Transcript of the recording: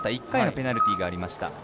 １回のペナルティーがありました。